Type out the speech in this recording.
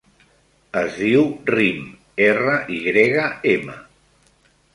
Es diu Rym: erra, i grega, ema.